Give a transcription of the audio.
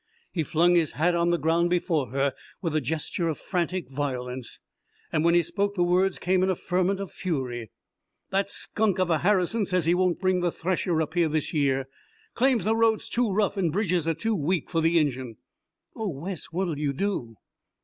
He flung his hat on the ground before her with a gesture of frantic violence. When he spoke the words came in a ferment of fury: "That skunk of a Harrison says he won't bring the thresher up here this year; claims the road's too rough and bridges are too weak for the engine." "Oh, Wes what'll you do?"